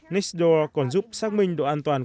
nextdoor còn giúp xác minh độ an toàn